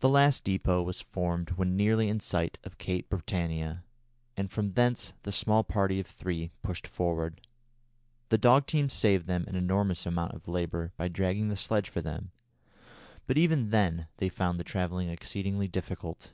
The last depôt was formed when nearly in sight of Cape Britannia, and from thence the small party of three pushed forward. The dog team saved them an enormous amount of labour by dragging the sledge for them, but even then they found the travelling exceedingly difficult.